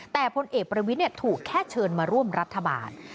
แต่พลเอกประวิทย์ถูกแค่เชิญมาร่วมรัฐบาล